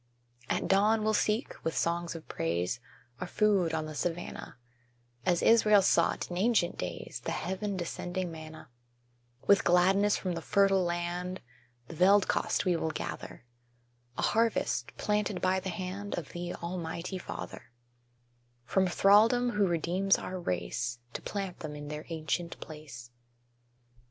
At dawn we'll seek, with songs of praise, Our food on the savannah, As Israel sought, in ancient days, The heaven descending manna; With gladness from the fertile land The veld kost we will gather, A harvest planted by the hand Of the Almighty Father From thraldom who redeems our race, To plant them in their ancient place.